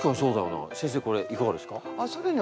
先生これいかがですか？